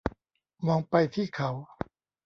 มองไปที่เขา